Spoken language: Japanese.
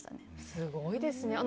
すごいですね。